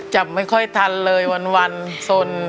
จับไม่ค่อยทันเลยวันสน